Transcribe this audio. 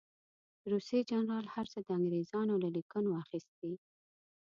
روسي جنرال هر څه د انګرېزانو له لیکنو اخیستي.